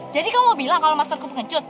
jadi kamu mau bilang kalau masterku pengecut